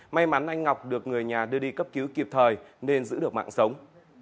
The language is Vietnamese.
may mắn anh ngọc được người nhà đưa đi cấp cứu kịp thời nên giữ được mạng sống